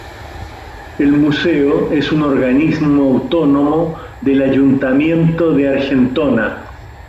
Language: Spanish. El museo es un organismo autónomo del Ayuntamiento de Argentona.